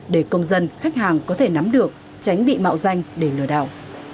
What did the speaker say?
để công dân khách hàng có thể nắm được tránh bị mạo danh để lừa đảo